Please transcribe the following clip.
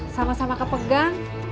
sama sama kepegang